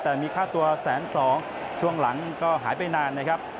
แต่มีค่าตัว๑๐๒๐๐๐บาทช่วงหลังก็หายไปนานนะครับ